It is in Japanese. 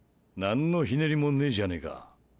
何のひねりもねえじゃねぇか！